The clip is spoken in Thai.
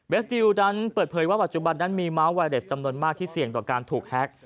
สติลนั้นเปิดเผยว่าปัจจุบันนั้นมีเมาส์ไวเรสจำนวนมากที่เสี่ยงต่อการถูกแฮ็ก